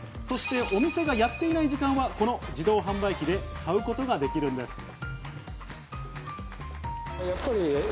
そしてお店がやっていない時間はこの自動販売機で買うことができるんです。